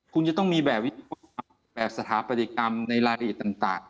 คุณจะต้องมีแบบสถาปัตยกรรมในรายละเอียดต่าง